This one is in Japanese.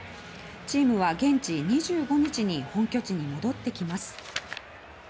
チームは現地２５日に本拠地に戻ってきます。